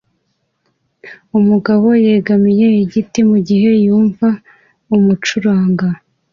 Umugabo yegamiye igiti mugihe yumva umucuranga